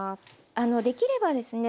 あのできればですね